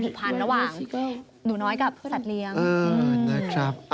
คือนะครับ